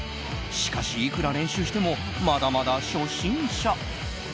しかし、いくら練習してもまだまだ初心者。